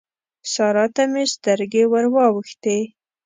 سارا ته مې سترګې ور واوښتې.